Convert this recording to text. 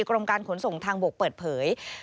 กรมการขนส่งทางบกเปิดเผย